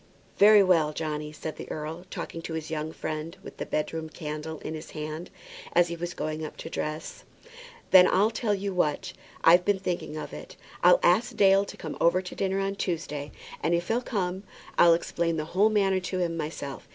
"Very well, Johnny," said the earl, talking to his young friend with the bedroom candle in his hand, as he was going up to dress. "Then I'll tell you what; I've been thinking of it. I'll ask Dale to come over to dinner on Tuesday; and if he'll come, I'll explain the whole matter to him myself.